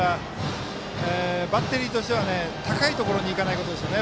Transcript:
バッテリーとしては高いところにいかないことですね